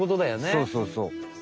そうそうそう。